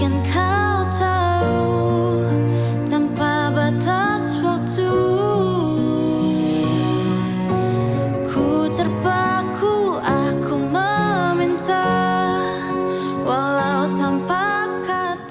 ntar lama mbak